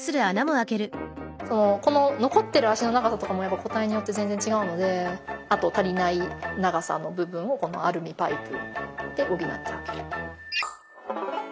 この残ってる脚の長さとかもやっぱ個体によって全然違うのであと足りない長さの部分をこのアルミパイプで補ってあげる。